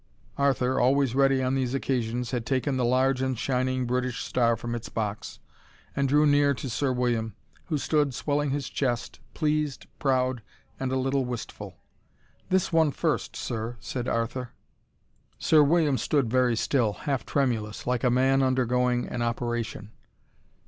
Arthur, always ready on these occasions, had taken the large and shining British star from its box, and drew near to Sir William, who stood swelling his chest, pleased, proud, and a little wistful. "This one first, Sir," said Arthur. Sir William stood very still, half tremulous, like a man undergoing an operation.